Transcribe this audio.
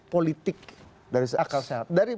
politik akal sehat